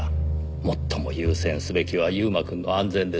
最も優先すべきは悠馬くんの安全です。